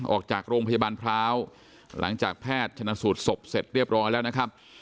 ออกจากโรงพยาบาลพร้าวหลังจากแพทย์ชนะสูตรศพเสร็จเรียบร้อยแล้วนะครับ